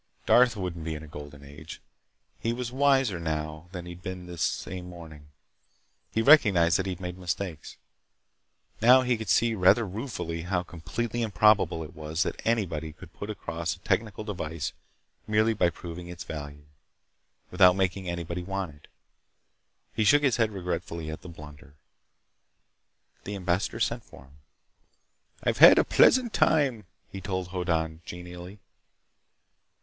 Darth wouldn't be in a Golden Age! He was wiser now than he'd been this same morning. He recognized that he'd made mistakes. Now he could see rather ruefully how completely improbable it was that anybody could put across a technical device merely by proving its value, without making anybody want it. He shook his head regretfully at the blunder. The ambassador sent for him. "I've had a pleasant time," he told Hoddan genially.